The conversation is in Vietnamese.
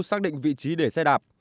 xác định vị trí để xe đạp